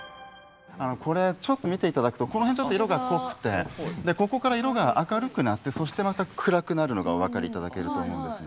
これ見て頂くとこの辺ちょっと色が濃くてここから色が明るくなってそしてまた暗くなるのがお分かり頂けると思うんですね。